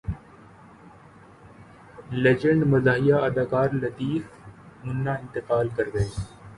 legend مزاحیہ اداکار لطیف منا انتقال کر گئے